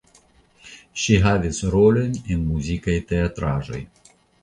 Ŝi havis rolojn en muzikaj teatraĵoj.